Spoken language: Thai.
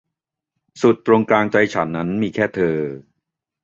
สุดตรงกลางใจฉันนั้นมีแค่เธอ